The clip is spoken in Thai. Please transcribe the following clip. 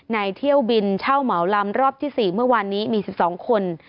เที่ยวบินเช่าเหมาลำรอบที่๔เมื่อวานนี้มี๑๒คน